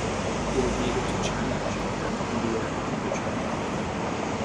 It is native to China, Japan, India, and Indochina.